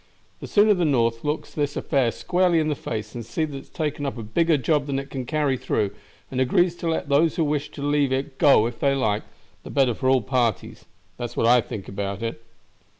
The sooner the North looks this affair squarely in the face and sees that it has taken up a bigger job than it can carry through, and agrees to let those who wish to leave it go if they like, the better for all parties. That's what I think about it."